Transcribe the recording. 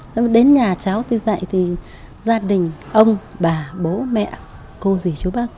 thế mà đến nhà cháu thì dạy thì gia đình ông bà bố mẹ cô gì chú bác